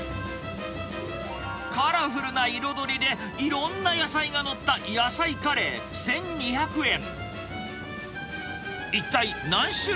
カラフルな彩りで、いろんな野菜が載った野菜カレー１２００円。